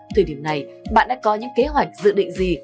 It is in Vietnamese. thời điểm này bạn đã có những kế hoạch dự định gì